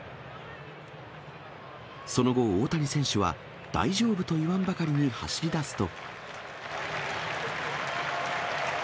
その後、大谷選手は、大丈夫と言わんばかりに走りだすと。